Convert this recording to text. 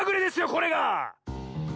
これが！